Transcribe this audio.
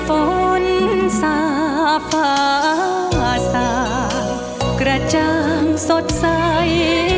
ฝนสาภาษากระจางสดใส